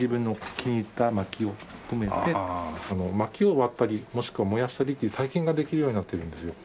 薪を割ったりもしくは燃やしたりっていう体験ができるようになってるんですよ。